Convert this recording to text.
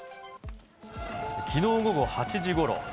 きのう午後８時ごろ。